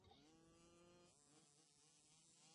埃尔南德斯出生于墨西哥著名的足球家庭。